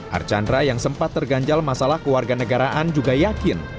archandra yang sempat terganjal masalah keluarga negaraan juga yakin